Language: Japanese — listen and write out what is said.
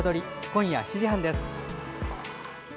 今夜７時半です。